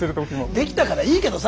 できたからいいけどさ。